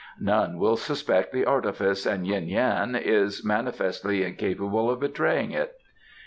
None will suspect the artifice, and Yuen Yan is manifestly incapable of betraying it.